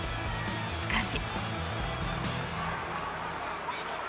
しかし。